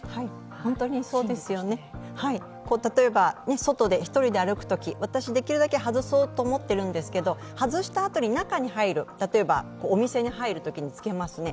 本当にそうですよね、例えば外で一人で歩くとき私、できるだけ外そうと思ってるんですけれども外したあとに中に入る、例えばお店に入るときに着けますね。